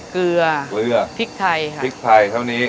เกลือเกลือพริกไทยค่ะพริกไทยเท่านี้